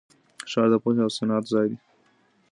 ښار د پوهې او صنعت ځای دی.